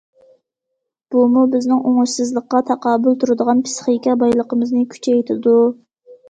بۇمۇ بىزنىڭ ئوڭۇشسىزلىققا تاقابىل تۇرىدىغان پىسخىكا بايلىقىمىزنى كۈچەيتىدۇ.